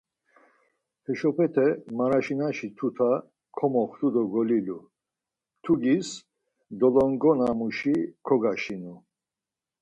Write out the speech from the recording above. Heşopete maraşinaşi tuta komoxtu do golilu, mtugis dolongona muşi kogaşinu.